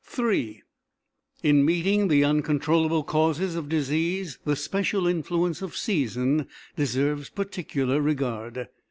III In meeting the uncontrollable causes of disease the special influence of season deserves particular regard.